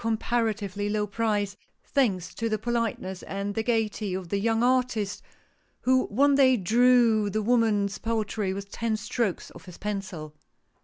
comparatively low price, thanks to the politeness and the gayety of the young artist, who one day drew the woman's portrait with ten strokes of his pencil.